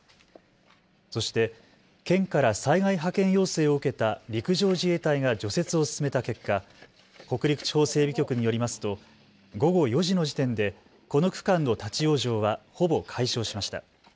そして県から災害派遣要請を受けた陸上自衛隊が除雪を進めた結果、北陸地方整備局によりますと午後４時の時点でこの区間の立往生は、ほぼ解消しました。